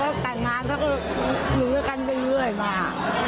เขาแต่งงานเขาก็อยู่ด้วยกันไปเรื่อยมา